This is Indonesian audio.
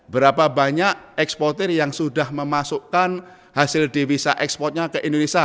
berapa banyak eksporter yang sudah memasukkan hasil divisa eksportnya ke indonesia